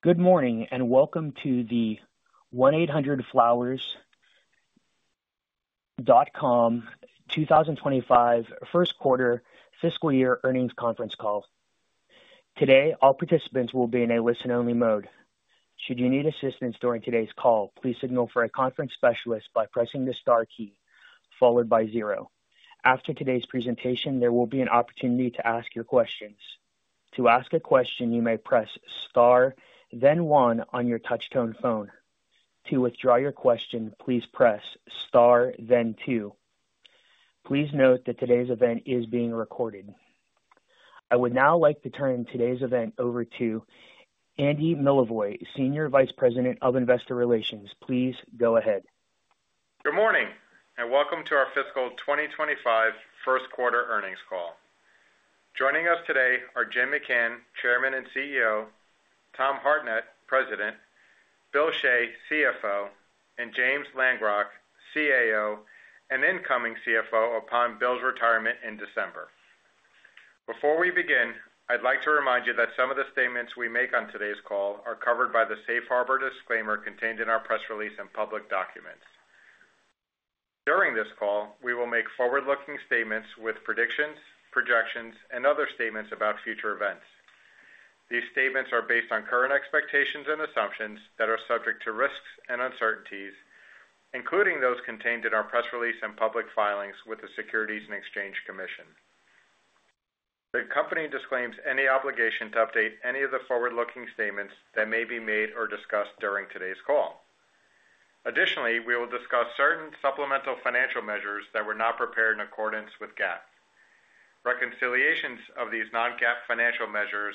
Good morning and welcome to the 1-800-FLOWERS.COM 2025 first quarter fiscal year earnings conference call. Today, all participants will be in a listen-only mode. Should you need assistance during today's call, please signal for a conference specialist by pressing the star key followed by zero. After today's presentation, there will be an opportunity to ask your questions. To ask a question, you may press star, then one on your touch-tone phone. To withdraw your question, please press star, then two. Please note that today's event is being recorded. I would now like to turn today's event over to Andy Milevoj, Senior Vice President of Investor Relations. Please go ahead. Good morning and welcome to our fiscal 2025 first quarter earnings call. Joining us today are Jim McCann, Chairman and CEO, Tom Hartnett, President, Bill Shea, CFO, and James Langrock, CAO and incoming CFO upon Bill's retirement in December. Before we begin, I'd like to remind you that some of the statements we make on today's call are covered by the safe harbor disclaimer contained in our press release and public documents. During this call, we will make forward-looking statements with predictions, projections, and other statements about future events. These statements are based on current expectations and assumptions that are subject to risks and uncertainties, including those contained in our press release and public filings with the Securities and Exchange Commission. The company disclaims any obligation to update any of the forward-looking statements that may be made or discussed during today's call. Additionally, we will discuss certain supplemental financial measures that were not prepared in accordance with GAAP. Reconciliations of these non-GAAP financial measures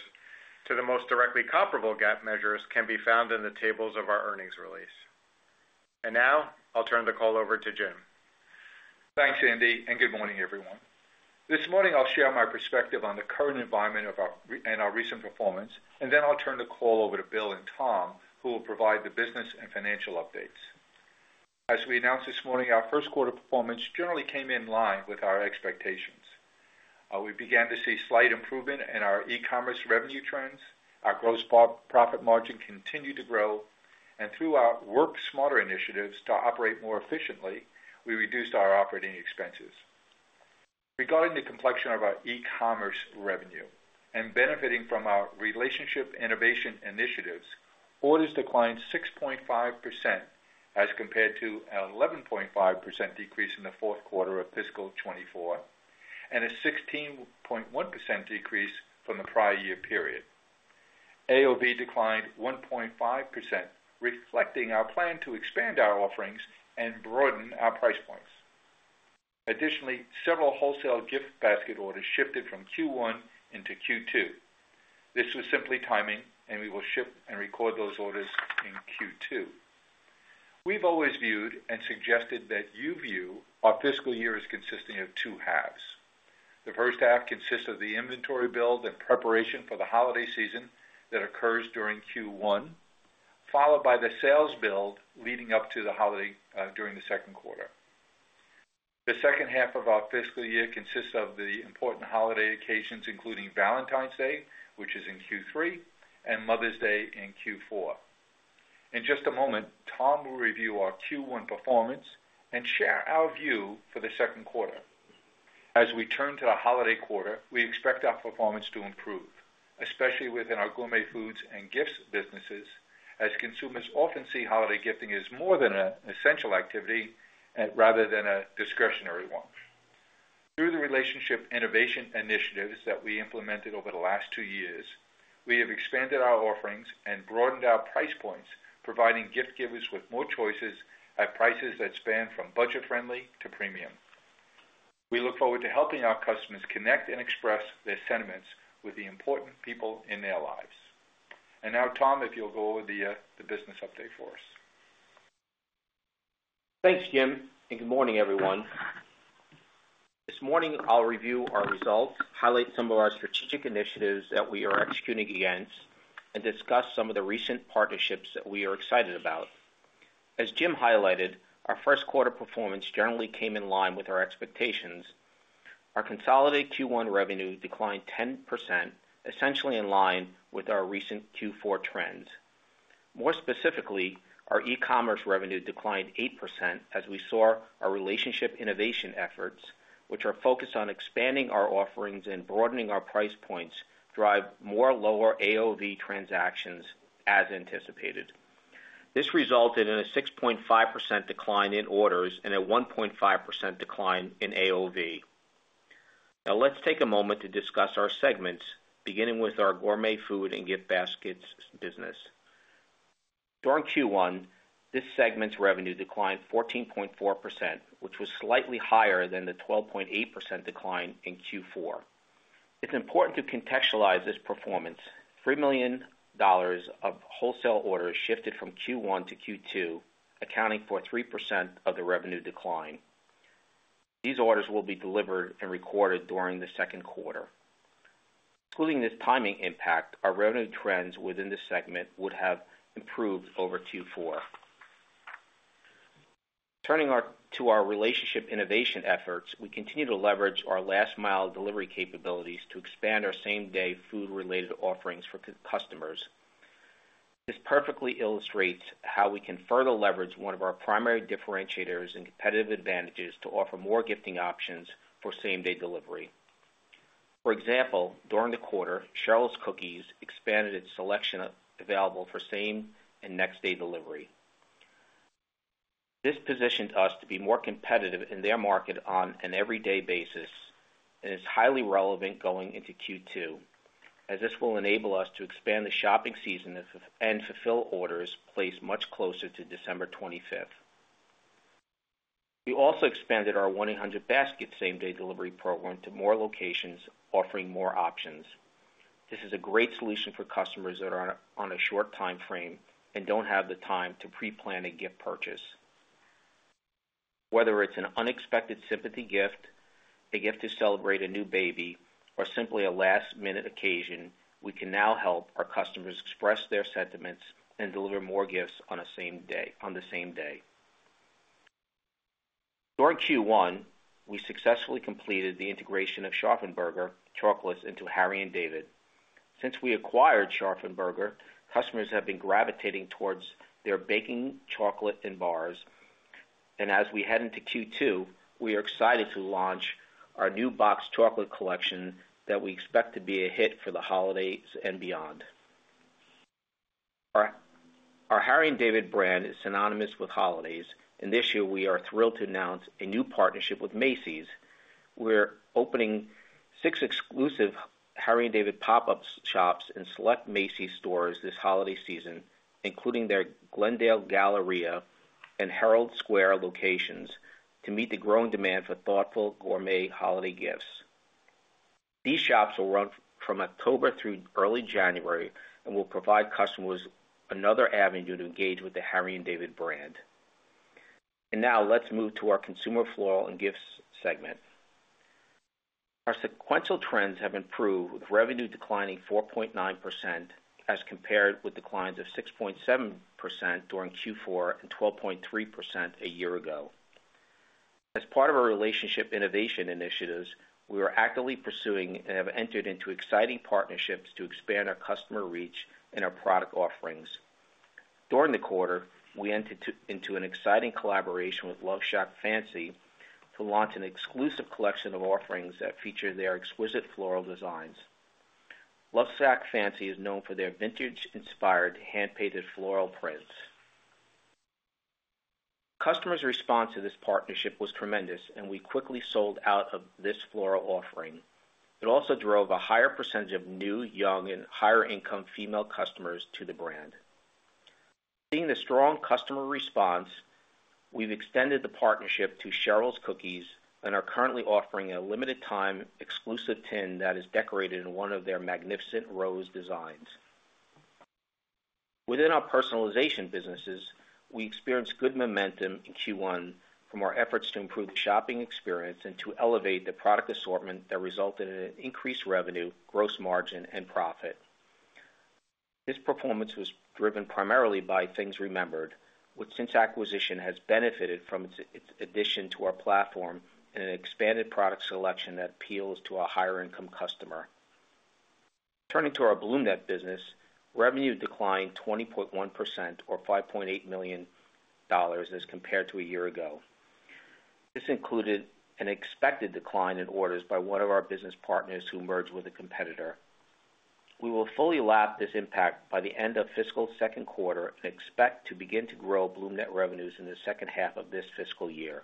to the most directly comparable GAAP measures can be found in the tables of our earnings release. And now, I'll turn the call over to Jim. Thanks, Andy, and good morning, everyone. This morning, I'll share my perspective on the current environment and our recent performance, and then I'll turn the call over to Bill and Tom, who will provide the business and financial updates. As we announced this morning, our first quarter performance generally came in line with our expectations. We began to see slight improvement in our e-commerce revenue trends, our gross profit margin continued to grow, and through our Work Smarter initiatives to operate more efficiently, we reduced our operating expenses. Regarding the complexion of our e-commerce revenue and benefiting from our Relationship Innovation initiatives, orders declined 6.5% as compared to an 11.5% decrease in the fourth quarter of fiscal 2024 and a 16.1% decrease from the prior year period. AOV declined 1.5%, reflecting our plan to expand our offerings and broaden our price points. Additionally, several wholesale gift basket orders shifted from Q1 into Q2. This was simply timing, and we will ship and record those orders in Q2. We've always viewed and suggested that you view our fiscal year as consisting of two halves. The first half consists of the inventory build and preparation for the holiday season that occurs during Q1, followed by the sales build leading up to the holiday during the second quarter. The second half of our fiscal year consists of the important holiday occasions, including Valentine's Day, which is in Q3, and Mother's Day in Q4. In just a moment, Tom will review our Q1 performance and share our view for the second quarter. As we turn to the holiday quarter, we expect our performance to improve, especially within our gourmet foods and gifts businesses, as consumers often see holiday gifting as more than an essential activity rather than a discretionary one. Through the relationship innovation initiatives that we implemented over the last two years, we have expanded our offerings and broadened our price points, providing gift givers with more choices at prices that span from budget-friendly to premium. We look forward to helping our customers connect and express their sentiments with the important people in their lives. And now, Tom, if you'll go over the business update for us. Thanks, Jim, and good morning, everyone. This morning, I'll review our results, highlight some of our strategic initiatives that we are executing against, and discuss some of the recent partnerships that we are excited about. As Jim highlighted, our first quarter performance generally came in line with our expectations. Our consolidated Q1 revenue declined 10%, essentially in line with our recent Q4 trends. More specifically, our e-commerce revenue declined 8% as we saw our relationship innovation efforts, which are focused on expanding our offerings and broadening our price points, drive more lower AOV transactions as anticipated. This resulted in a 6.5% decline in orders and a 1.5% decline in AOV. Now, let's take a moment to discuss our segments, beginning with our gourmet food and gift baskets business. During Q1, this segment's revenue declined 14.4%, which was slightly higher than the 12.8% decline in Q4. It's important to contextualize this performance. $3 million of wholesale orders shifted from Q1 to Q2, accounting for 3% of the revenue decline. These orders will be delivered and recorded during the second quarter. Excluding this timing impact, our revenue trends within the segment would have improved over Q4. Turning to our Relationship Innovation efforts, we continue to leverage our last-mile delivery capabilities to expand our same-day food-related offerings for customers. This perfectly illustrates how we can further leverage one of our primary differentiators and competitive advantages to offer more gifting options for same-day delivery. For example, during the quarter, Cheryl's Cookies expanded its selection available for same and next-day delivery. This positioned us to be more competitive in their market on an everyday basis and is highly relevant going into Q2, as this will enable us to expand the shopping season and fulfill orders placed much closer to December 25th. We also expanded our 1-800-FLOWERS same-day delivery program to more locations, offering more options. This is a great solution for customers that are on a short time frame and don't have the time to pre-plan a gift purchase. Whether it's an unexpected sympathy gift, a gift to celebrate a new baby, or simply a last-minute occasion, we can now help our customers express their sentiments and deliver more gifts on the same day. During Q1, we successfully completed the integration of Scharffen Berger chocolates into Harry & David. Since we acquired Scharffen Berger, customers have been gravitating towards their baking chocolate and bars. As we head into Q2, we are excited to launch our new box chocolate collection that we expect to be a hit for the holidays and beyond. Our Harry and David brand is synonymous with holidays, and this year, we are thrilled to announce a new partnership with Macy's. We're opening six exclusive Harry and David pop-up shops in select Macy's stores this holiday season, including their Glendale Galleria and Herald Square locations, to meet the growing demand for thoughtful gourmet holiday gifts. These shops will run from October through early January and will provide customers another avenue to engage with the Harry and David brand. Now, let's move to our consumer floral and gifts segment. Our sequential trends have improved with revenue declining 4.9% as compared with declines of 6.7% during Q4 and 12.3% a year ago. As part of our relationship innovation initiatives, we are actively pursuing and have entered into exciting partnerships to expand our customer reach and our product offerings. During the quarter, we entered into an exciting collaboration with LoveShackFancy to launch an exclusive collection of offerings that feature their exquisite floral designs. LoveShackFancy is known for their vintage-inspired hand-painted floral prints. Customers' response to this partnership was tremendous, and we quickly sold out of this floral offering. It also drove a higher percentage of new, young, and higher-income female customers to the brand. Seeing the strong customer response, we've extended the partnership to Cheryl's Cookies and are currently offering a limited-time exclusive tin that is decorated in one of their magnificent rose designs. Within our personalization businesses, we experienced good momentum in Q1 from our efforts to improve the shopping experience and to elevate the product assortment that resulted in an increased revenue, gross margin, and profit. This performance was driven primarily by Things Remembered, which since acquisition has benefited from its addition to our platform and an expanded product selection that appeals to a higher-income customer. Turning to our BloomNet business, revenue declined 20.1% or $5.8 million as compared to a year ago. This included an expected decline in orders by one of our business partners who merged with a competitor. We will fully lap this impact by the end of fiscal second quarter and expect to begin to grow BloomNet revenues in the second half of this fiscal year.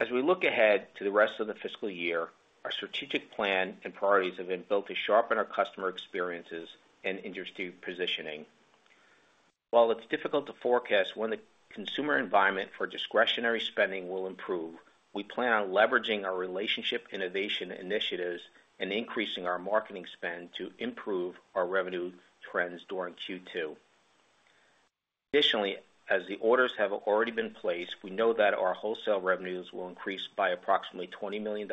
As we look ahead to the rest of the fiscal year, our strategic plan and priorities have been built to sharpen our customer experiences and industry positioning. While it's difficult to forecast when the consumer environment for discretionary spending will improve, we plan on leveraging our Relationship Innovation initiatives and increasing our marketing spend to improve our revenue trends during Q2. Additionally, as the orders have already been placed, we know that our wholesale revenues will increase by approximately $20 million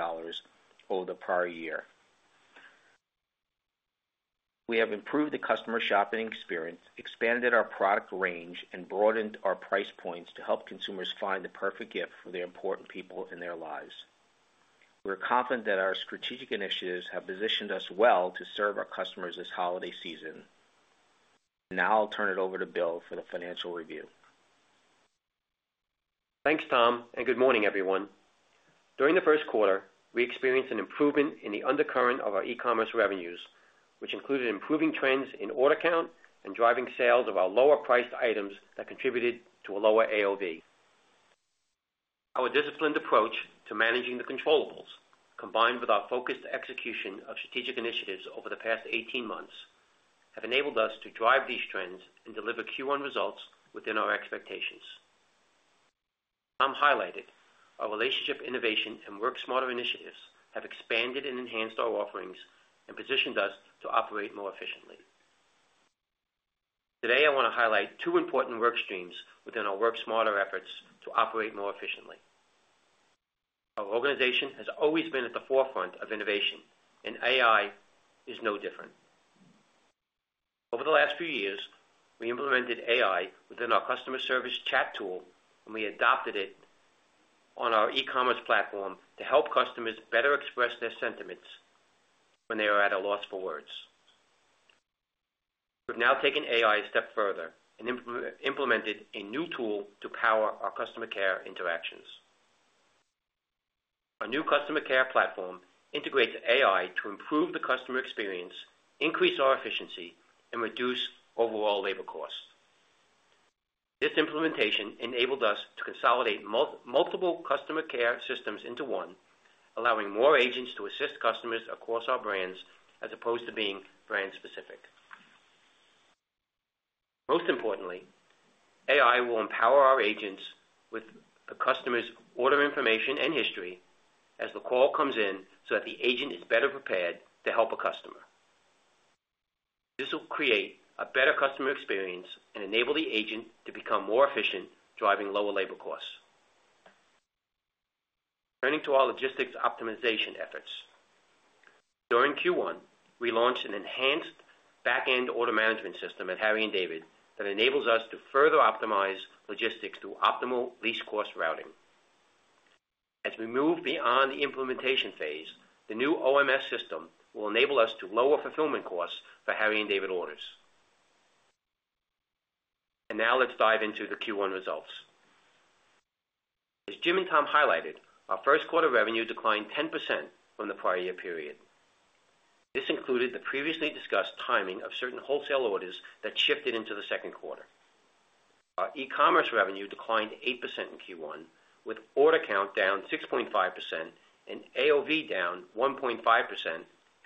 over the prior year. We have improved the customer shopping experience, expanded our product range, and broadened our price points to help consumers find the perfect gift for the important people in their lives. We're confident that our strategic initiatives have positioned us well to serve our customers this holiday season. Now, I'll turn it over to Bill for the financial review. Thanks, Tom, and good morning, everyone. During the first quarter, we experienced an improvement in the undercurrent of our e-commerce revenues, which included improving trends in order count and driving sales of our lower-priced items that contributed to a lower AOV. Our disciplined approach to managing the controllables, combined with our focused execution of strategic initiatives over the past 18 months, have enabled us to drive these trends and deliver Q1 results within our expectations. Tom highlighted our relationship innovation and work smarter initiatives have expanded and enhanced our offerings and positioned us to operate more efficiently. Today, I want to highlight two important work streams within our work smarter efforts to operate more efficiently. Our organization has always been at the forefront of innovation, and AI is no different. Over the last few years, we implemented AI within our customer service chat tool, and we adopted it on our e-commerce platform to help customers better express their sentiments when they are at a loss for words. We've now taken AI a step further and implemented a new tool to power our customer care interactions. Our new customer care platform integrates AI to improve the customer experience, increase our efficiency, and reduce overall labor costs. This implementation enabled us to consolidate multiple customer care systems into one, allowing more agents to assist customers across our brands as opposed to being brand-specific. Most importantly, AI will empower our agents with the customer's order information and history as the call comes in so that the agent is better prepared to help a customer. This will create a better customer experience and enable the agent to become more efficient, driving lower labor costs. Turning to our logistics optimization efforts. During Q1, we launched an enhanced back-end order management system at Harry & David that enables us to further optimize logistics through optimal least-cost routing. As we move beyond the implementation phase, the new OMS system will enable us to lower fulfillment costs for Harry & David orders. And now, let's dive into the Q1 results. As Jim and Tom highlighted, our first quarter revenue declined 10% from the prior year period. This included the previously discussed timing of certain wholesale orders that shifted into the second quarter. Our e-commerce revenue declined 8% in Q1, with order count down 6.5% and AOV down 1.5%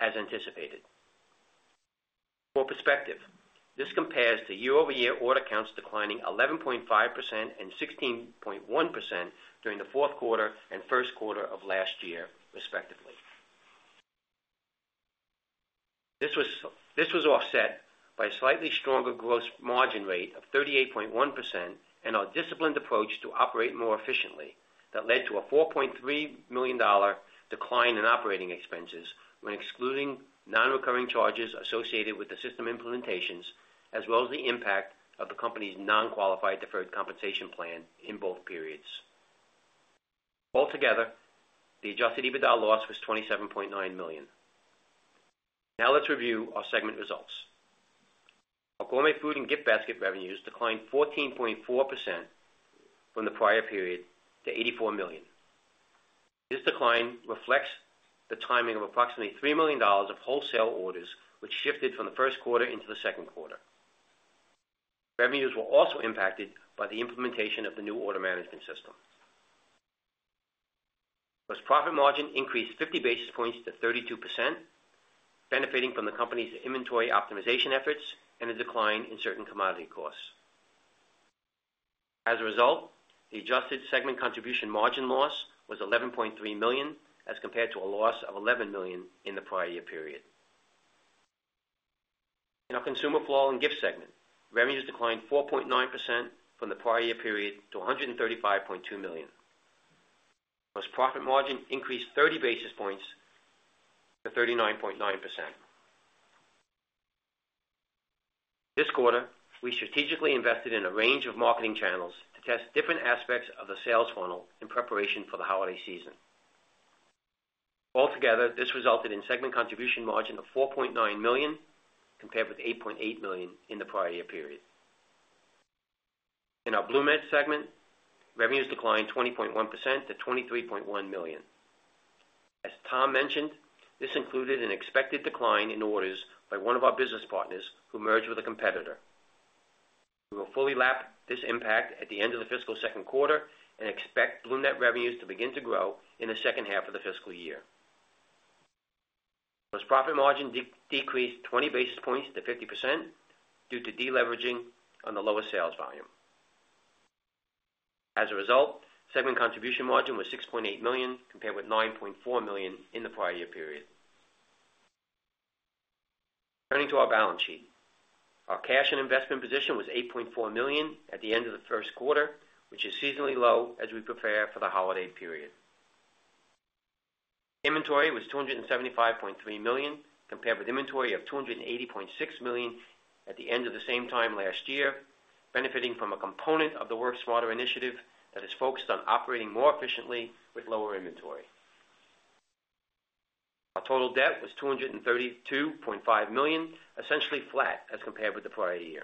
as anticipated. For perspective, this compares to year-over-year order counts declining 11.5% and 16.1% during the fourth quarter and first quarter of last year, respectively. This was offset by a slightly stronger gross margin rate of 38.1% and our disciplined approach to operate more efficiently that led to a $4.3 million decline in operating expenses when excluding non-recurring charges associated with the system implementations, as well as the impact of the company's non-qualified deferred compensation plan in both periods. Altogether, the Adjusted EBITDA loss was $27.9 million. Now, let's review our segment results. Our gourmet food and gift basket revenues declined 14.4% from the prior period to $84 million. This decline reflects the timing of approximately $3 million of wholesale orders, which shifted from the first quarter into the second quarter. Revenues were also impacted by the implementation of the new order management system. The profit margin increased 50 basis points to 32%, benefiting from the company's inventory optimization efforts and a decline in certain commodity costs. As a result, the adjusted segment contribution margin loss was $11.3 million as compared to a loss of $11 million in the prior year period. In our consumer floral and gift segment, revenues declined 4.9% from the prior year period to $135.2 million. The profit margin increased 30 basis points to 39.9%. This quarter, we strategically invested in a range of marketing channels to test different aspects of the sales funnel in preparation for the holiday season. Altogether, this resulted in segment contribution margin of $4.9 million compared with $8.8 million in the prior year period. In our BloomNet segment, revenues declined 20.1% to $23.1 million. As Tom mentioned, this included an expected decline in orders by one of our business partners who merged with a competitor. We will fully lap this impact at the end of the fiscal second quarter and expect BloomNet revenues to begin to grow in the second half of the fiscal year. The profit margin decreased 20 basis points to 50% due to deleveraging on the lowest sales volume. As a result, segment contribution margin was $6.8 million compared with $9.4 million in the prior year period. Turning to our balance sheet, our cash and investment position was $8.4 million at the end of the first quarter, which is seasonally low as we prepare for the holiday period. Inventory was $275.3 million compared with inventory of $280.6 million at the end of the same time last year, benefiting from a component of the Work Smarter initiative that is focused on operating more efficiently with lower inventory. Our total debt was $232.5 million, essentially flat as compared with the prior year.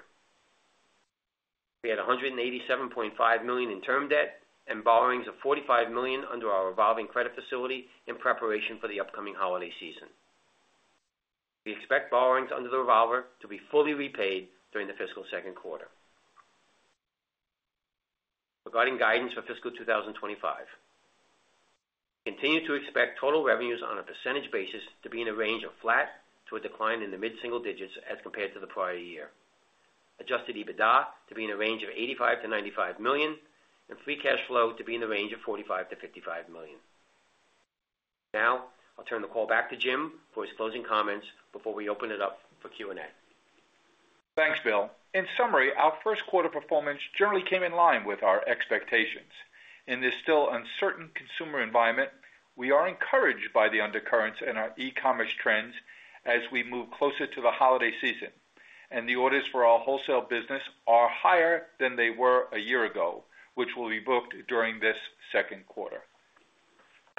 We had $187.5 million in term debt and borrowings of $45 million under our revolving credit facility in preparation for the upcoming holiday season. We expect borrowings under the revolver to be fully repaid during the fiscal second quarter. Regarding guidance for fiscal 2025, continue to expect total revenues on a percentage basis to be in a range of flat to a decline in the mid-single digits as compared to the prior year, Adjusted EBITDA to be in a range of $85-$95 million, and free cash flow to be in the range of $45-$55 million. Now, I'll turn the call back to Jim for his closing comments before we open it up for Q&A. Thanks, Bill. In summary, our first quarter performance generally came in line with our expectations. In this still uncertain consumer environment, we are encouraged by the undercurrents in our e-commerce trends as we move closer to the holiday season, and the orders for our wholesale business are higher than they were a year ago, which will be booked during this second quarter.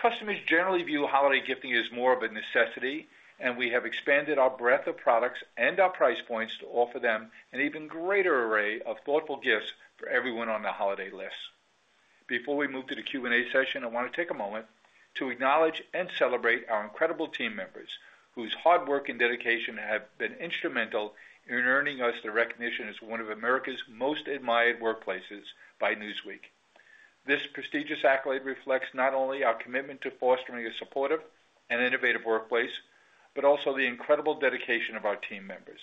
Customers generally view holiday gifting as more of a necessity, and we have expanded our breadth of products and our price points to offer them an even greater array of thoughtful gifts for everyone on the holiday list. Before we move to the Q&A session, I want to take a moment to acknowledge and celebrate our incredible team members, whose hard work and dedication have been instrumental in earning us the recognition as one of America's most admired workplaces by Newsweek. This prestigious accolade reflects not only our commitment to fostering a supportive and innovative workplace, but also the incredible dedication of our team members.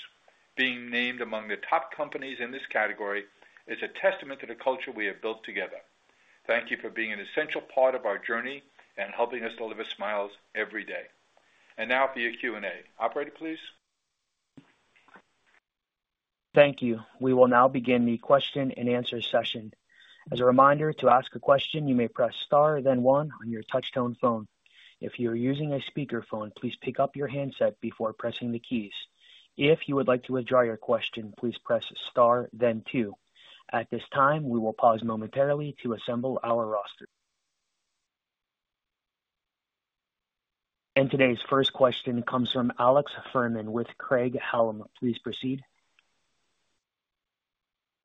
Being named among the top companies in this category is a testament to the culture we have built together. Thank you for being an essential part of our journey and helping us deliver smiles every day. And now, for your Q&A. Operator, please. Thank you. We will now begin the question and answer session. As a reminder, to ask a question, you may press star, then one on your touch-tone phone. If you are using a speakerphone, please pick up your handset before pressing the keys. If you would like to withdraw your question, please press star, then two. At this time, we will pause momentarily to assemble our roster, and today's first question comes from Alex Fuhrman with Craig-Hallum. Please proceed.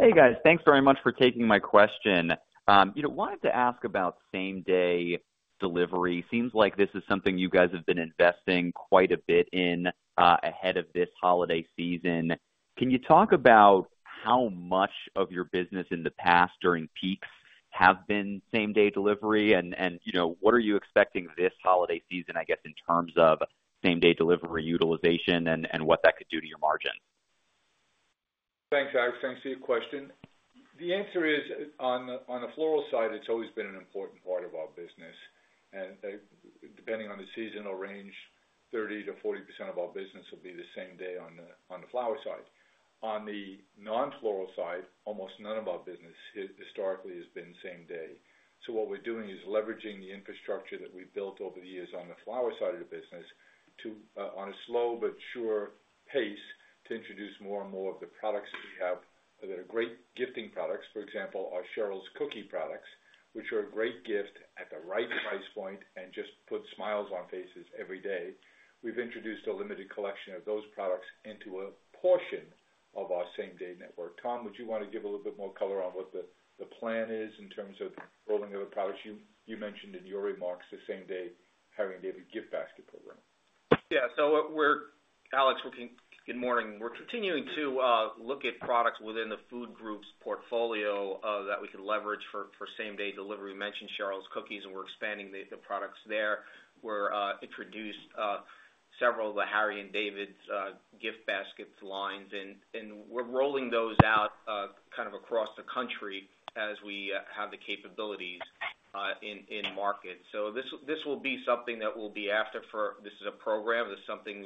Hey, guys. Thanks very much for taking my question. Wanted to ask about same-day delivery. Seems like this is something you guys have been investing quite a bit in ahead of this holiday season. Can you talk about how much of your business in the past during peaks have been same-day delivery, and what are you expecting this holiday season, I guess, in terms of same-day delivery utilization and what that could do to your margin? Thanks, Alex. Thanks for your question. The answer is, on the floral side, it's always been an important part of our business. And depending on the seasonal range, 30%-40% of our business will be the same day on the flower side. On the non-floral side, almost none of our business historically has been same-day. So what we're doing is leveraging the infrastructure that we've built over the years on the flower side of the business on a slow but sure pace to introduce more and more of the products that we have that are great gifting products. For example, our Cheryl's Cookies products, which are a great gift at the right price point and just put smiles on faces every day. We've introduced a limited collection of those products into a portion of our same-day network. Tom, would you want to give a little bit more color on what the plan is in terms of the rolling of the products you mentioned in your remarks to same-day Harry & David gift basket program? Yeah. So, Alex, good morning. We're continuing to look at products within the food group's portfolio that we can leverage for same-day delivery. You mentioned Cheryl's Cookies, and we're expanding the products there. We're introducing several of the Harry and David gift basket lines, and we're rolling those out kind of across the country as we have the capabilities in market. So this will be something that we'll be after for this is a program. This is something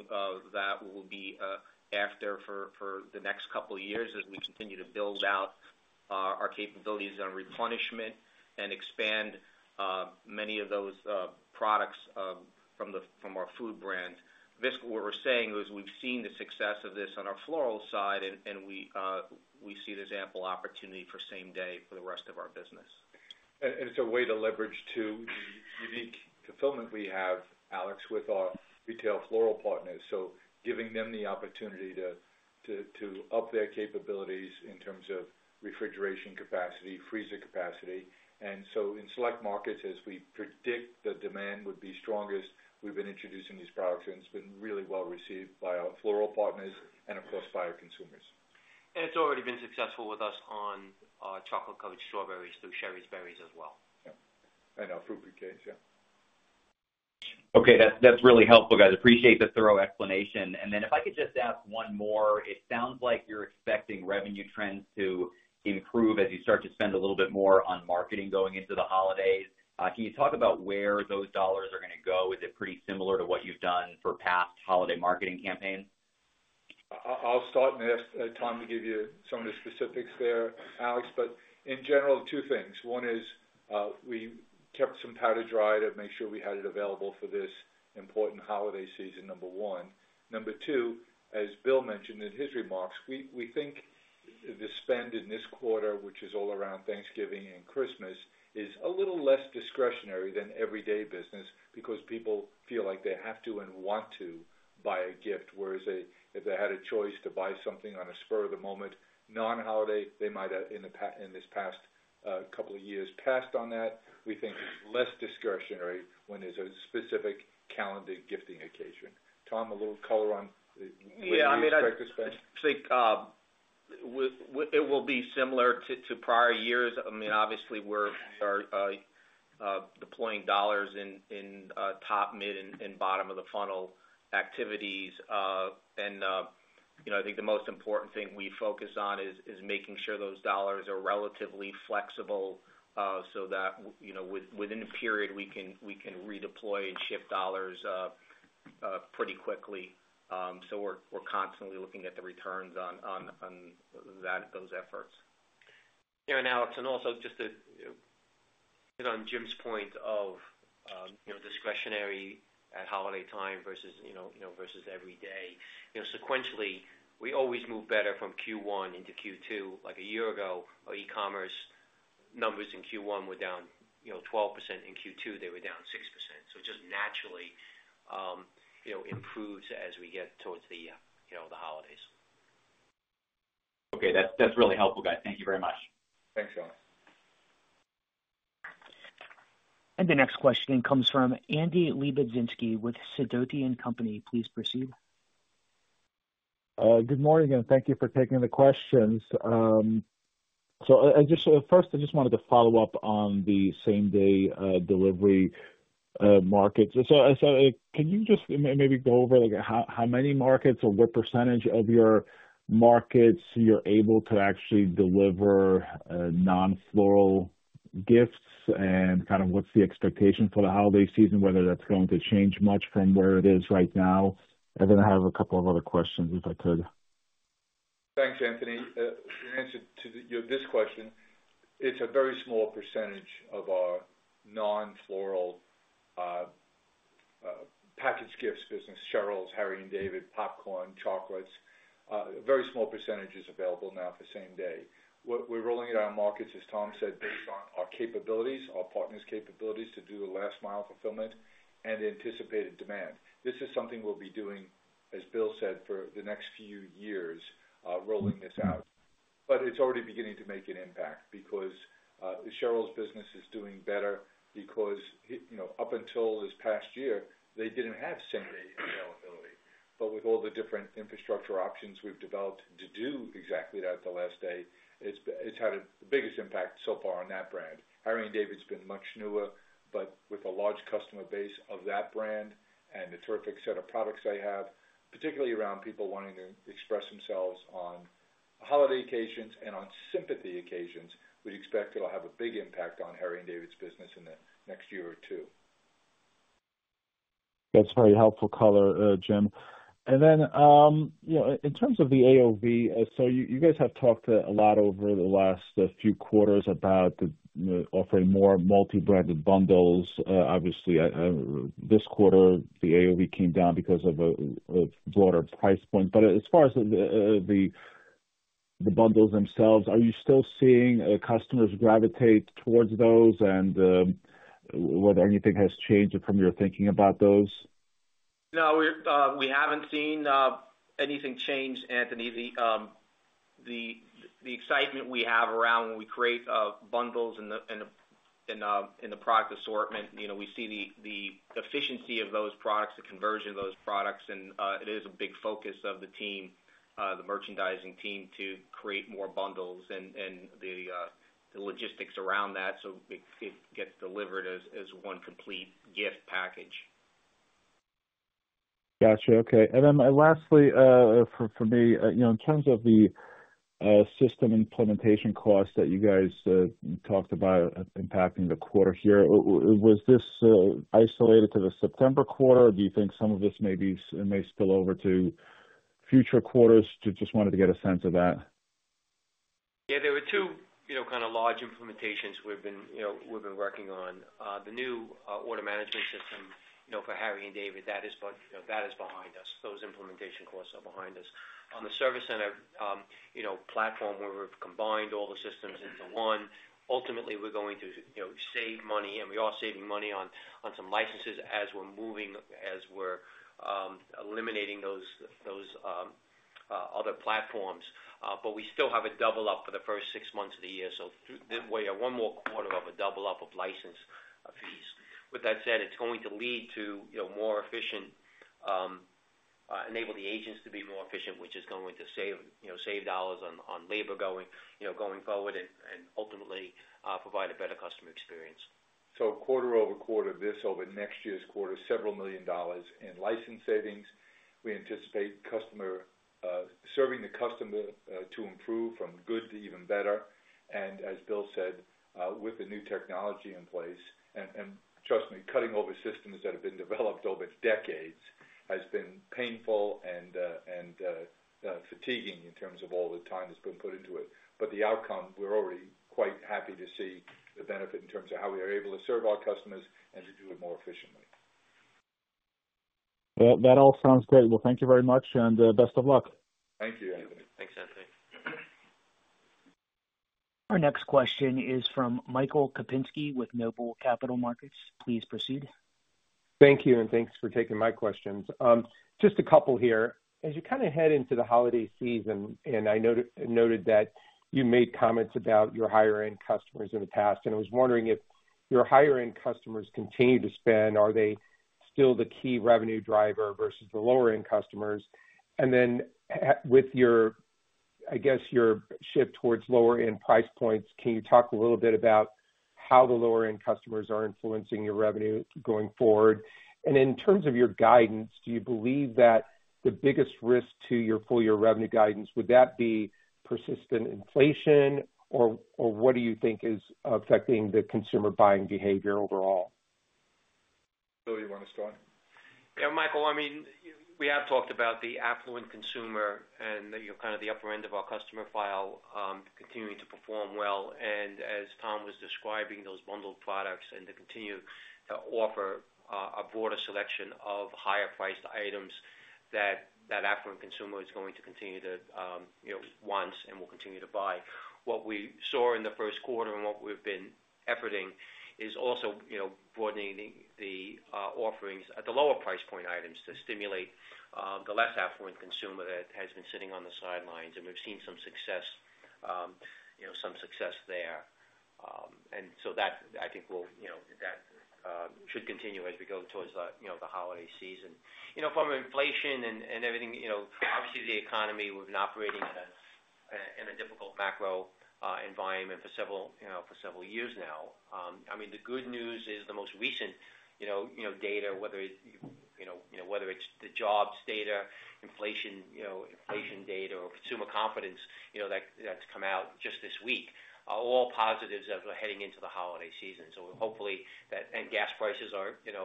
that we'll be after for the next couple of years as we continue to build out our capabilities on replenishment and expand many of those products from our food brand. What we're saying is we've seen the success of this on our floral side, and we see there's ample opportunity for same-day for the rest of our business. And it's a way to leverage the unique fulfillment we have, Alex, with our retail floral partners. So giving them the opportunity to up their capabilities in terms of refrigeration capacity, freezer capacity. And so in select markets, as we predict the demand would be strongest, we've been introducing these products, and it's been really well received by our floral partners and, of course, by our consumers. And it's already been successful with us on chocolate-coated strawberries, those Shari's Berries as well. Yeah, and our fruit bouquets, yeah. Okay. That's really helpful, guys. Appreciate the thorough explanation. And then if I could just ask one more, it sounds like you're expecting revenue trends to improve as you start to spend a little bit more on marketing going into the holidays. Can you talk about where those dollars are going to go? Is it pretty similar to what you've done for past holiday marketing campaigns? I'll start and ask Tom to give you some of the specifics there, Alex. But in general, two things. One is we kept some powder dry to make sure we had it available for this important holiday season, number one. Number two, as Bill mentioned in his remarks, we think the spend in this quarter, which is all around Thanksgiving and Christmas, is a little less discretionary than everyday business because people feel like they have to and want to buy a gift. Whereas if they had a choice to buy something on a spur of the moment, non-holiday, they might have in this past couple of years passed on that. We think it's less discretionary when there's a specific calendar gifting occasion. Tom, a little color on where you expect the spend? Yeah. I mean, I think it will be similar to prior years. I mean, obviously, we're deploying dollars in top, mid, and bottom of the funnel activities. And I think the most important thing we focus on is making sure those dollars are relatively flexible so that within a period, we can redeploy and shift dollars pretty quickly. So we're constantly looking at the returns on those efforts. Yeah, and Alex, and also just to hit on Jim's point of discretionary at holiday time versus every day. Sequentially, we always move better from Q1 into Q2. Like a year ago, our e-commerce numbers in Q1 were down 12%. In Q2, they were down 6%. So it just naturally improves as we get towards the holidays. Okay. That's really helpful, guys. Thank you very much. Thanks, Alex. The next question comes from Anthony Lebiedzinski with Sidoti & Company. Please proceed. Good morning, and thank you for taking the questions. So first, I just wanted to follow up on the same-day delivery markets. So can you just maybe go over how many markets or what percentage of your markets you're able to actually deliver non-floral gifts and kind of what's the expectation for the holiday season, whether that's going to change much from where it is right now? And then I have a couple of other questions, if I could. Thanks, Anthony. In answer to this question, it's a very small percentage of our non-floral packaged gifts business: Cheryl's, Harry & David, popcorn, chocolates. A very small percentage is available now for same-day. We're rolling it out in markets, as Tom said, based on our capabilities, our partner's capabilities to do the last-mile fulfillment and anticipated demand. This is something we'll be doing, as Bill said, for the next few years, rolling this out. But it's already beginning to make an impact because Cheryl's business is doing better because up until this past year, they didn't have same-day availability. But with all the different infrastructure options we've developed to do exactly that at the last mile, it's had the biggest impact so far on that brand. Harry & David's been much newer, but with a large customer base of that brand and the terrific set of products they have, particularly around people wanting to express themselves on holiday occasions and on sympathy occasions, we'd expect it'll have a big impact on Harry & David's business in the next year or two. That's very helpful color, Jim. And then in terms of the AOV, so you guys have talked a lot over the last few quarters about offering more multi-branded bundles. Obviously, this quarter, the AOV came down because of a broader price point. But as far as the bundles themselves, are you still seeing customers gravitate towards those, and whether anything has changed from your thinking about those? No, we haven't seen anything change, Anthony. The excitement we have around when we create bundles and the product assortment, we see the efficiency of those products, the conversion of those products, and it is a big focus of the team, the merchandising team, to create more bundles and the logistics around that so it gets delivered as one complete gift package. Gotcha. Okay. And then lastly, for me, in terms of the system implementation costs that you guys talked about impacting the quarter here, was this isolated to the September quarter, or do you think some of this may spill over to future quarters? Just wanted to get a sense of that. Yeah. There were two kind of large implementations we've been working on. The new order management system for Harry & David, that is behind us. Those implementation costs are behind us. On the service center platform, where we've combined all the systems into one, ultimately, we're going to save money, and we are saving money on some licenses as we're eliminating those other platforms. But we still have a double-up for the first six months of the year. So we have one more quarter of a double-up of license fees. With that said, it's going to lead to more efficiency, enable the agents to be more efficient, which is going to save dollars on labor going forward and ultimately provide a better customer experience. Quarter over quarter, this over next year's quarter, several million dollars in license savings. We anticipate serving the customer to improve from good to even better. As Bill said, with the new technology in place, and trust me, cutting over systems that have been developed over decades has been painful and fatiguing in terms of all the time that's been put into it. The outcome, we're already quite happy to see the benefit in terms of how we are able to serve our customers and to do it more efficiently. Well, that all sounds great. Well, thank you very much, and best of luck. Thank you, Anthony. Thanks, Anthony. Our next question is from Michael Kupinski with Noble Capital Markets. Please proceed. Thank you, and thanks for taking my questions. Just a couple here. As you kind of head into the holiday season, and I noted that you made comments about your higher-end customers in the past, and I was wondering if your higher-end customers continue to spend, are they still the key revenue driver versus the lower-end customers? And then with, I guess, your shift towards lower-end price points, can you talk a little bit about how the lower-end customers are influencing your revenue going forward? And in terms of your guidance, do you believe that the biggest risk to your full-year revenue guidance, would that be persistent inflation, or what do you think is affecting the consumer buying behavior overall? Bill, you want to start? Yeah. Michael, I mean, we have talked about the affluent consumer and kind of the upper end of our customer file continuing to perform well. And as Tom was describing those bundled products and to continue to offer a broader selection of higher-priced items that that affluent consumer is going to continue to want and will continue to buy. What we saw in the first quarter and what we've been efforting is also broadening the offerings at the lower price point items to stimulate the less affluent consumer that has been sitting on the sidelines. And we've seen some success there. And so that, I think, should continue as we go towards the holiday season. From inflation and everything, obviously, the economy, we've been operating in a difficult macro environment for several years now. I mean, the good news is the most recent data, whether it's the jobs data, inflation data, or consumer confidence that's come out just this week, are all positives as we're heading into the holiday season. So hopefully, gas prices are. $2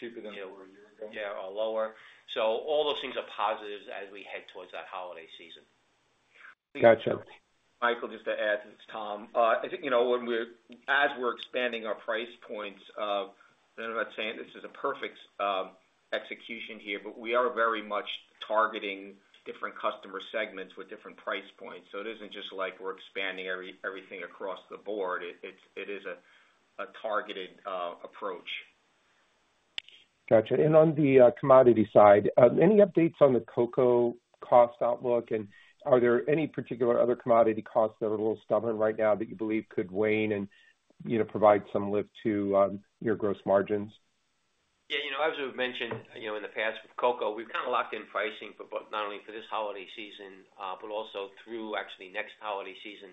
cheaper than they were a year ago. Yeah, or lower. So all those things are positives as we head towards that holiday season. Gotcha. Michael, just to add to this, Tom, as we're expanding our price points, I'm not saying this is a perfect execution here, but we are very much targeting different customer segments with different price points. So it isn't just like we're expanding everything across the board. It is a targeted approach. Gotcha. And on the commodity side, any updates on the cocoa cost outlook? And are there any particular other commodity costs that are a little stubborn right now that you believe could wane and provide some lift to your gross margins? Yeah. As we've mentioned in the past with cocoa, we've kind of locked in pricing for not only for this holiday season, but also through actually next holiday season,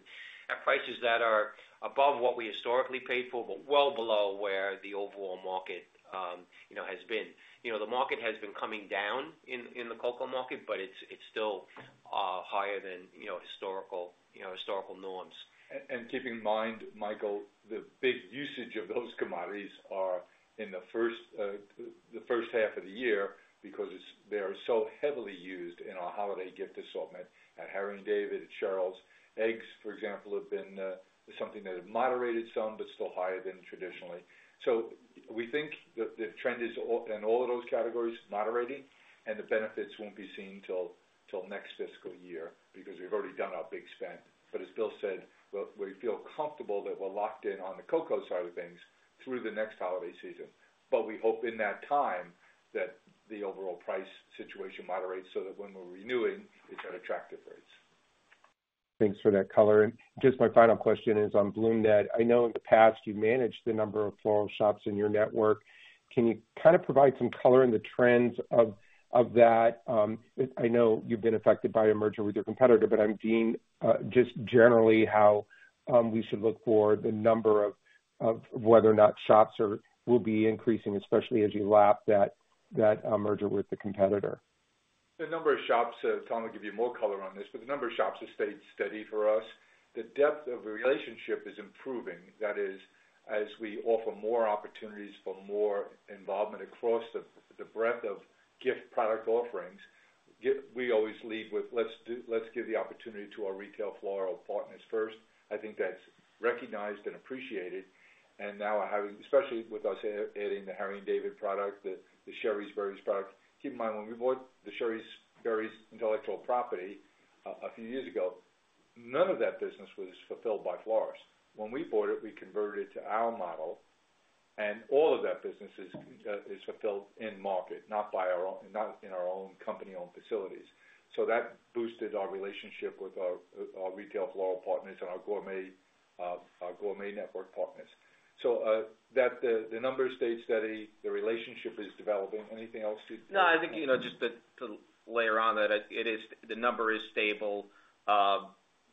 at prices that are above what we historically paid for, but well below where the overall market has been. The market has been coming down in the cocoa market, but it's still higher than historical norms. Keep in mind, Michael, the big usage of those commodities are in the first half of the year because they are so heavily used in our holiday gift assortment at Harry & David at Cheryl's. Eggs, for example, have been something that have moderated some, but still higher than traditionally. So we think the trend is in all of those categories moderating, and the benefits won't be seen until next fiscal year because we've already done our big spend. But as Bill said, we feel comfortable that we're locked in on the cocoa side of things through the next holiday season. But we hope in that time that the overall price situation moderates so that when we're renewing, it's at attractive rates. Thanks for that color. And just my final question is on BloomNet. I know in the past you mentioned the number of floral shops in your network. Can you kind of provide some color on the trends of that? I know you've been affected by a merger with your competitor, but I mean just generally how we should look for the number, whether or not shops will be increasing, especially as you lap that merger with the competitor. The number of shops (Tom will give you more color on this) but the number of shops has stayed steady for us. The depth of the relationship is improving. That is, as we offer more opportunities for more involvement across the breadth of gift product offerings, we always lead with, "Let's give the opportunity to our retail floral partners first." I think that's recognized and appreciated. And now, especially with us adding the Harry & David product, the Shari's Berries product, keep in mind when we bought the Shari's Berries intellectual property a few years ago, none of that business was fulfilled by florists. When we bought it, we converted it to our model, and all of that business is fulfilled in market, not in our own company-owned facilities. So that boosted our relationship with our retail floral partners and our gourmet network partners. So the number stays steady. The relationship is developing. Anything else to? No, I think just to layer on that, the number is stable.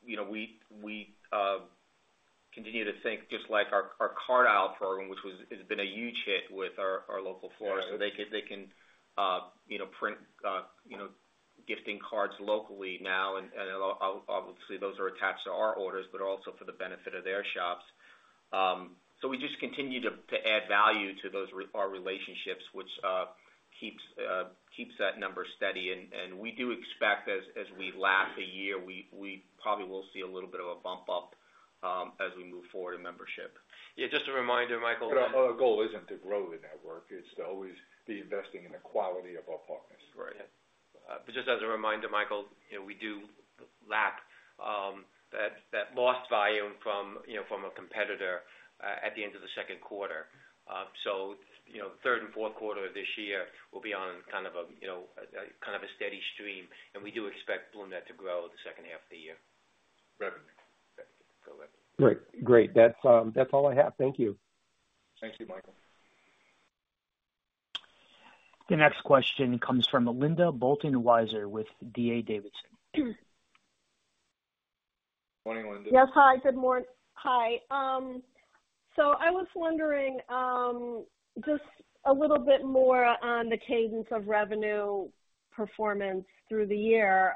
We continue to think just like our Card Isle program, which has been a huge hit with our local florist. So they can print gifting cards locally now, and obviously, those are attached to our orders, but also for the benefit of their shops. So we just continue to add value to our relationships, which keeps that number steady. And we do expect as we lap a year, we probably will see a little bit of a bump up as we move forward in membership. Yeah. Just a reminder, Michael. Our goal isn't to grow the network. It's to always be investing in the quality of our partners. Right. But just as a reminder, Michael, we do lap that lost volume from a competitor at the end of the second quarter. So third and fourth quarter of this year will be on kind of a steady stream, and we do expect BloomNet to grow the second half of the year. Revenue. Right. Great. That's all I have. Thank you. Thank you, Michael. The next question comes from Linda Bolton Weiser with D.A. Davidson. Morning, Linda. Yes. Hi. Good morning. Hi. So I was wondering just a little bit more on the cadence of revenue performance through the year.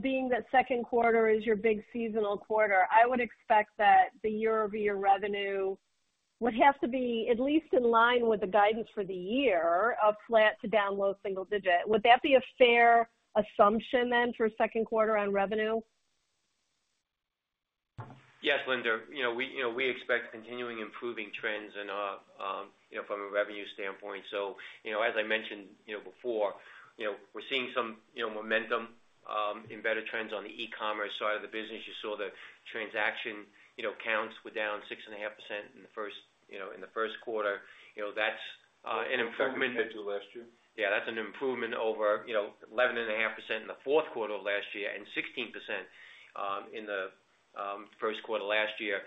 Being that second quarter is your big seasonal quarter, I would expect that the year-over-year revenue would have to be at least in line with the guidance for the year of flat to down low single digit. Would that be a fair assumption then for second quarter on revenue? Yes, Linda. We expect continuing improving trends from a revenue standpoint. So as I mentioned before, we're seeing some momentum in better trends on the e-commerce side of the business. You saw the transaction counts were down 6.5% in the first quarter. That's an improvement. That's compared to last year? Yeah. That's an improvement over 11.5% in the fourth quarter of last year and 16% in the first quarter last year.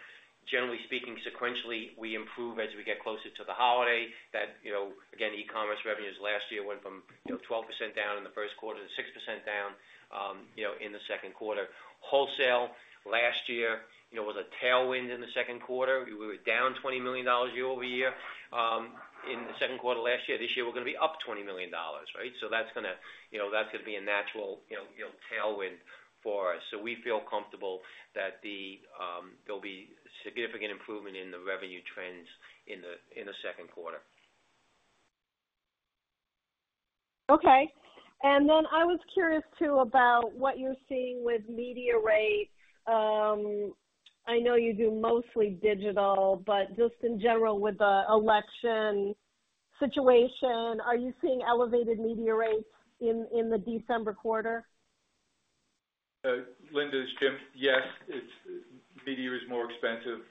Generally speaking, sequentially, we improve as we get closer to the holiday. Again, e-commerce revenues last year went from 12% down in the first quarter to 6% down in the second quarter. Wholesale last year was a tailwind in the second quarter. We were down $20 million year-over-year in the second quarter last year. This year, we're going to be up $20 million, right? So that's going to be a natural tailwind for us. So we feel comfortable that there'll be significant improvement in the revenue trends in the second quarter. Okay. And then I was curious too about what you're seeing with media rates. I know you do mostly digital, but just in general with the election situation, are you seeing elevated media rates in the December quarter? Linda, yes. Media is more expensive.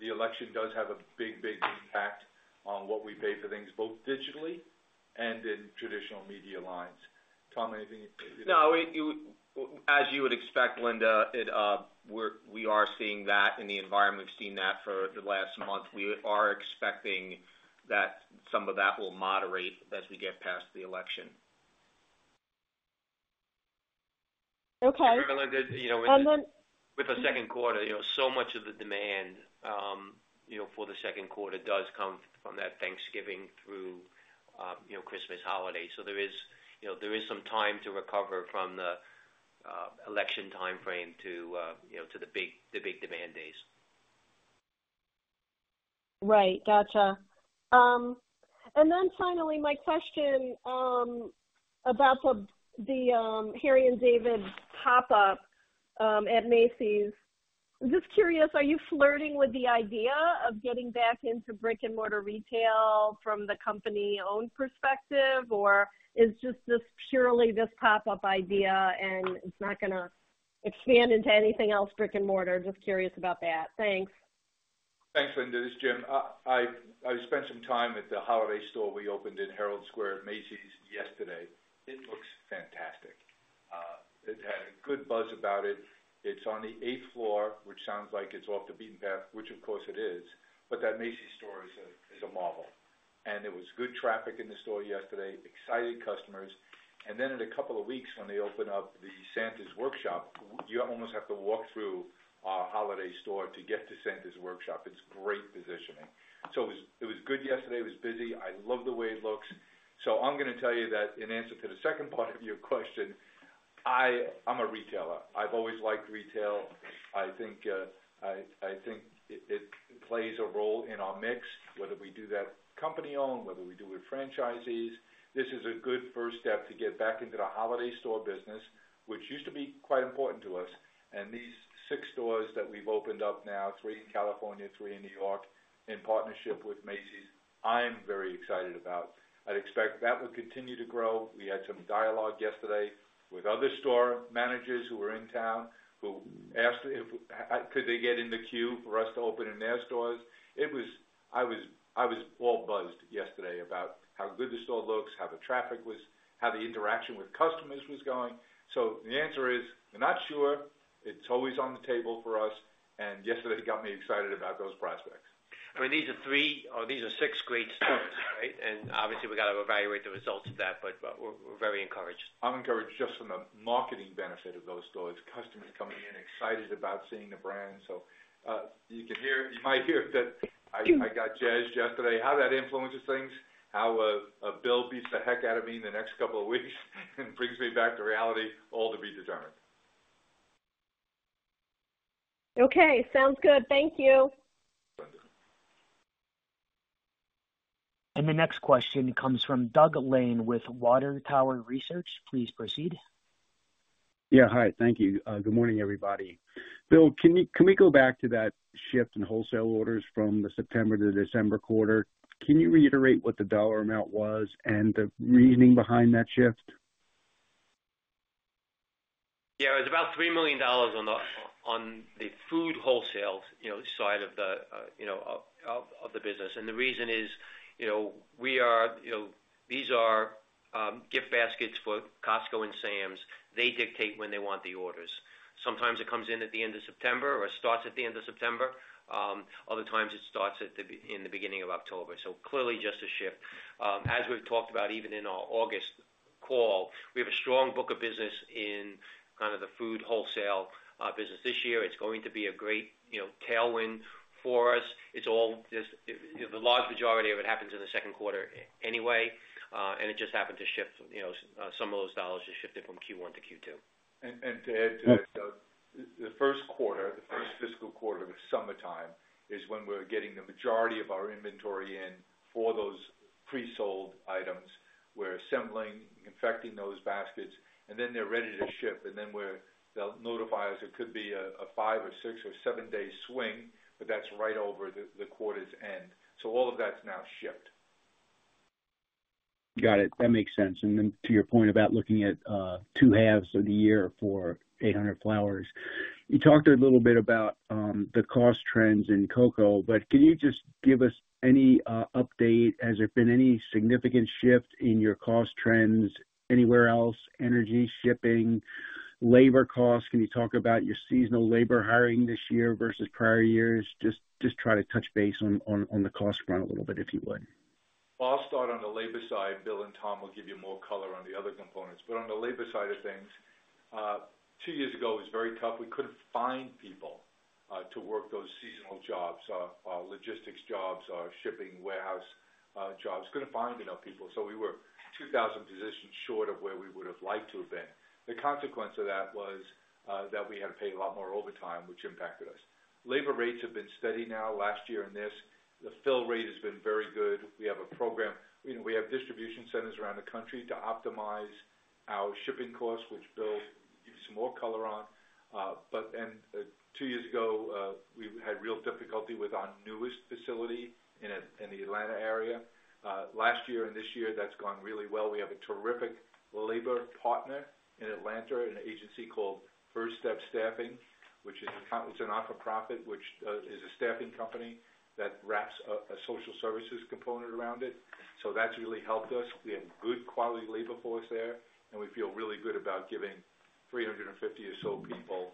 The election does have a big, big impact on what we pay for things, both digitally and in traditional media lines. Tom, anything? No. As you would expect, Linda, we are seeing that in the environment. We've seen that for the last month. We are expecting that some of that will moderate as we get past the election. Okay. Linda, with the second quarter, so much of the demand for the second quarter does come from that Thanksgiving through Christmas holiday. So there is some time to recover from the election timeframe to the big demand days. Right. Gotcha. And then finally, my question about the Harry & David pop-up at Macy's. I'm just curious, are you flirting with the idea of getting back into brick-and-mortar retail from the company-owned perspective, or is this purely this pop-up idea and it's not going to expand into anything else brick-and-mortar? Just curious about that. Thanks. Thanks, Linda. This is Jim. I spent some time at the holiday store we opened in Herald Square at Macy's yesterday. It looks fantastic. It had a good buzz about it. It's on the eighth floor, which sounds like it's off the beaten path, which of course it is, but that Macy's store is a marvel, and there was good traffic in the store yesterday, excited customers, and then in a couple of weeks when they open up Santa's Workshop, you almost have to walk through our holiday store to get to Santa's Workshop. It's great positioning, so it was good yesterday. It was busy. I love the way it looks, so I'm going to tell you that in answer to the second part of your question, I'm a retailer. I've always liked retail. I think it plays a role in our mix, whether we do that company-owned, whether we do it franchisees. This is a good first step to get back into the holiday store business, which used to be quite important to us. And these six stores that we've opened up now, three in California, three in New York, in partnership with Macy's, I'm very excited about. I'd expect that would continue to grow. We had some dialogue yesterday with other store managers who were in town who asked if they could get in the queue for us to open in their stores. I was all abuzz yesterday about how good the store looks, how the traffic was, how the interaction with customers was going. So the answer is, not sure. It's always on the table for us. And yesterday got me excited about those prospects. I mean, these are three or these are six great stores, right? And obviously, we've got to evaluate the results of that, but we're very encouraged. I'm encouraged just from the marketing benefit of those stores. Customers coming in excited about seeing the brand, so you might hear that I got jazzed yesterday, how that influences things, how Bill beats the heck out of me in the next couple of weeks and brings me back to reality. All to be determined. Okay. Sounds good. Thank you. Linda. The next question comes from Doug Lane with Water Tower Research. Please proceed. Yeah. Hi. Thank you. Good morning, everybody. Bill, can we go back to that shift in wholesale orders from the September to December quarter? Can you reiterate what the dollar amount was and the reasoning behind that shift? Yeah. It was about $3 million on the food wholesale side of the business. And the reason is these are gift baskets for Costco and Sam's. They dictate when they want the orders. Sometimes it comes in at the end of September or starts at the end of September. Other times it starts in the beginning of October. So clearly just a shift. As we've talked about even in our August call, we have a strong book of business in kind of the food wholesale business. This year, it's going to be a great tailwind for us. The large majority of it happens in the second quarter anyway. And it just happened to shift some of those dollars from Q1 to Q2. And to add to that, the first quarter, the first fiscal quarter of summertime is when we're getting the majority of our inventory in for those pre-sold items. We're assembling, confecting those baskets, and then they're ready to ship. And then they'll notify us. It could be a five or six or seven-day swing, but that's right over the quarter's end. So all of that's now shipped. Got it. That makes sense. And then to your point about looking at two halves of the year for 1-800-Flowers, you talked a little bit about the cost trends in cocoa, but can you just give us any update? Has there been any significant shift in your cost trends anywhere else? Energy, shipping, labor costs? Can you talk about your seasonal labor hiring this year versus prior years? Just try to touch base on the cost front a little bit, if you would. I'll start on the labor side. Bill and Tom will give you more color on the other components, but on the labor side of things, two years ago, it was very tough. We couldn't find people to work those seasonal jobs, logistics jobs, shipping, warehouse jobs. Couldn't find enough people. So we were 2,000 positions short of where we would have liked to have been. The consequence of that was that we had to pay a lot more overtime, which impacted us. Labor rates have been steady now. Last year and this, the fill rate has been very good. We have a program. We have distribution centers around the country to optimize our shipping costs, which Bill gave you some more color on, and two years ago, we had real difficulty with our newest facility in the Atlanta area. Last year and this year, that's gone really well. We have a terrific labor partner in Atlanta, an agency called First Step Staffing, which is a not-for-profit, which is a staffing company that wraps a social services component around it. So that's really helped us. We have good quality labor force there, and we feel really good about giving 350 or so people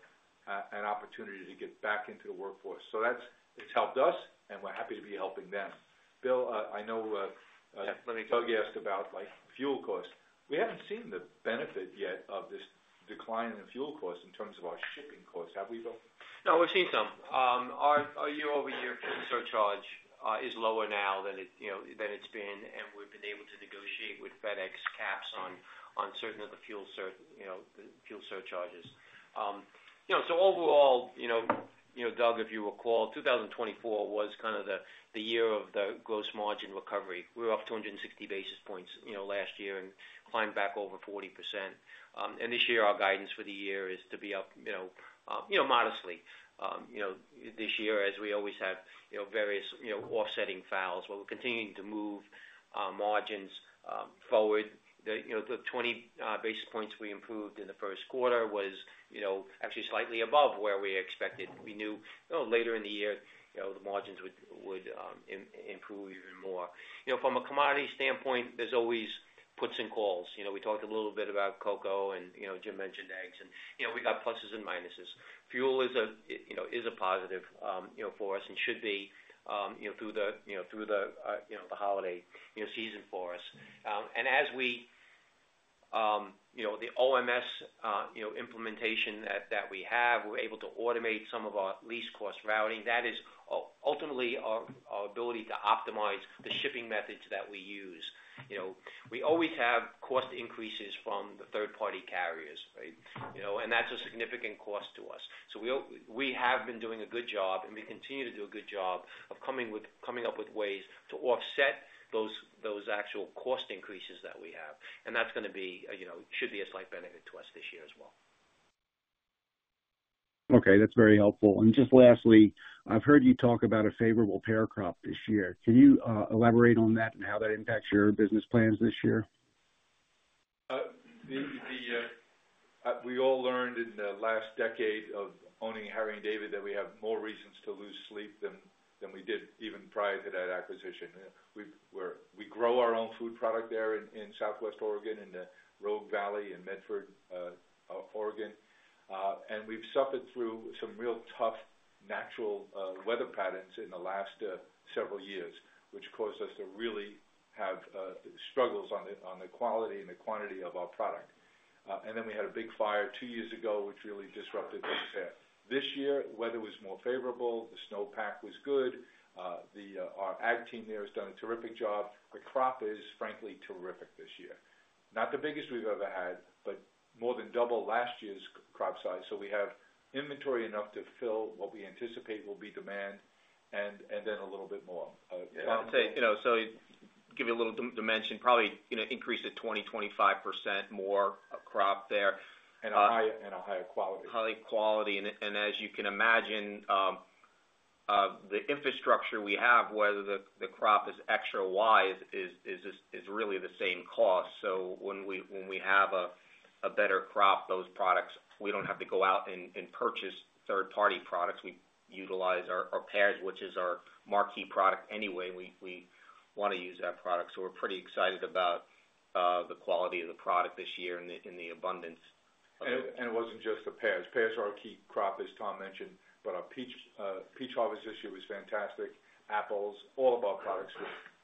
an opportunity to get back into the workforce. So it's helped us, and we're happy to be helping them. Bill, I know Doug asked about fuel costs. We haven't seen the benefit yet of this decline in fuel costs in terms of our shipping costs. Have we, Bill? No, we've seen some. Our year-over-year fuel surcharge is lower now than it's been, and we've been able to negotiate with FedEx caps on certain of the fuel surcharges. So overall, Doug, if you recall, 2024 was kind of the year of the gross margin recovery. We were up 260 basis points last year and climbed back over 40%. And this year, our guidance for the year is to be up modestly. This year, as we always have, various offsetting puts, but we're continuing to move margins forward. The 20 basis points we improved in the first quarter was actually slightly above where we expected. We knew later in the year the margins would improve even more. From a commodity standpoint, there's always puts and calls. We talked a little bit about cocoa, and Jim mentioned eggs, and we got pluses and minuses. Fuel is a positive for us and should be through the holiday season for us. As with the OMS implementation that we have, we're able to automate some of our least-cost routing, that is ultimately our ability to optimize the shipping methods that we use. We always have cost increases from the third-party carriers, right? And that's a significant cost to us, so we have been doing a good job, and we continue to do a good job of coming up with ways to offset those actual cost increases that we have, and that's going to be a slight benefit to us this year as well. Okay. That's very helpful. And just lastly, I've heard you talk about a favorable pear crop this year. Can you elaborate on that and how that impacts your business plans this year? We all learned in the last decade of owning Harry & David that we have more reasons to lose sleep than we did even prior to that acquisition. We grow our own food product there in Southwest Oregon, in the Rogue Valley in Medford, Oregon, and we've suffered through some real tough natural weather patterns in the last several years, which caused us to really have struggles on the quality and the quantity of our product, and then we had a big fire two years ago, which really disrupted things there. This year, weather was more favorable. The snowpack was good. Our ag team there has done a terrific job. The crop is, frankly, terrific this year. Not the biggest we've ever had, but more than double last year's crop size, so we have inventory enough to fill what we anticipate will be demand and then a little bit more. Yeah. I would say, so give you a little dimension, probably increase to 20%-25% more crop there. A higher quality. Higher quality. And as you can imagine, the infrastructure we have, whether the crop is extra light, is really the same cost. So when we have a better crop, those products, we don't have to go out and purchase third-party products. We utilize our pears, which is our marquee product anyway. We want to use that product. So we're pretty excited about the quality of the product this year and the abundance of it. And it wasn't just the pears. Pears are our key crop, as Tom mentioned, but our peach harvest this year was fantastic. Apples, all of our products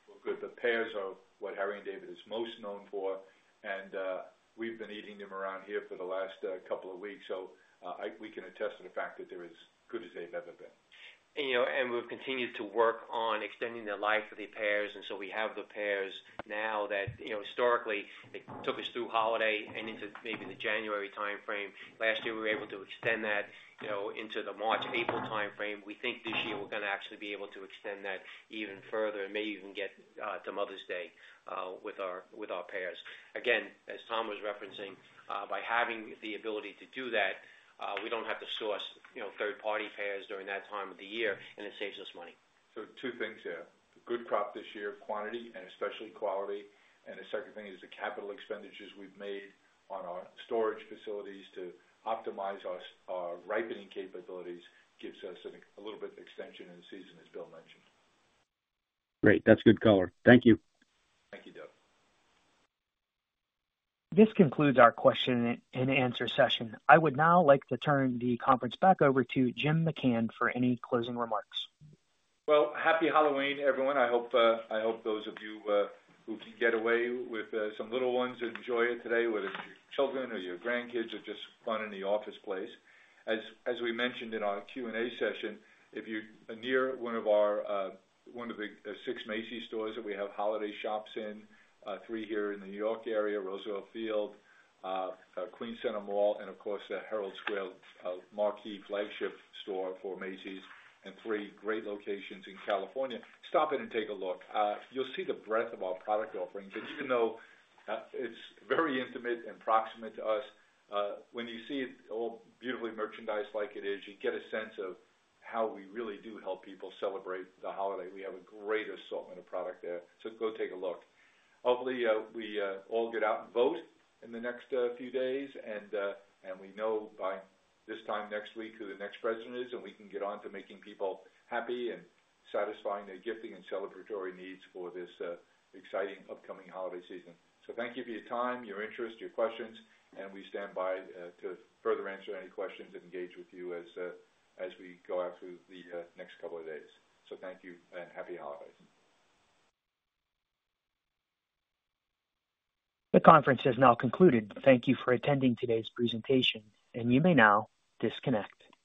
were good. The pears are what Harry & David is most known for. And we've been eating them around here for the last couple of weeks. So we can attest to the fact that they're as good as they've ever been. We've continued to work on extending the life of the pears. So we have the pears now that historically it took us through holiday and into maybe the January timeframe. Last year, we were able to extend that into the March-April timeframe. We think this year we're going to actually be able to extend that even further and maybe even get to Mother's Day with our pears. Again, as Tom was referencing, by having the ability to do that, we don't have to source third-party pears during that time of the year, and it saves us money. So two things there. Good crop this year, quantity and especially quality. And the second thing is the capital expenditures we've made on our storage facilities to optimize our ripening capabilities gives us a little bit of extension in the season, as Bill mentioned. Great. That's good color. Thank you. Thank you, Doug. This concludes our question and answer session. I would now like to turn the conference back over to Jim McCann for any closing remarks. Happy Halloween, everyone. I hope those of you who can get away with some little ones and enjoy it today, whether it's your children or your grandkids or just fun in the office place. As we mentioned in our Q&A session, if you're near one of the six Macy's stores that we have holiday shops in, three here in the New York area, Roosevelt Field, Queens Center Mall, and of course, the Herald Square marquee flagship store for Macy's, and three great locations in California, stop in and take a look. You'll see the breadth of our product offerings. Even though it's very intimate and proximate to us, when you see it all beautifully merchandised like it is, you get a sense of how we really do help people celebrate the holiday. We have a great assortment of product there. Go take a look. Hopefully, we all get out and vote in the next few days. And we know by this time next week who the next president is, and we can get on to making people happy and satisfying their gifting and celebratory needs for this exciting upcoming holiday season. So thank you for your time, your interest, your questions. And we stand by to further answer any questions and engage with you as we go out through the next couple of days. So thank you and happy holidays. The conference has now concluded. Thank you for attending today's presentation, and you may now disconnect.